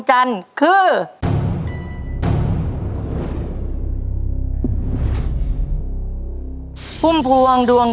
ใช่นักร้องบ้านนอก